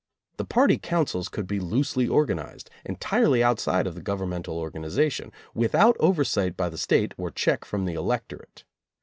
The party councils could be loosely organized entirely outside of the gov ernmental organization, without oversight by the State or check from the electorate.